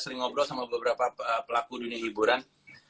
sering ngobrol sama beberapa pelaku dunia hiburan